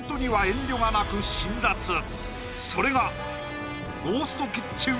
分それがゴーストキッチン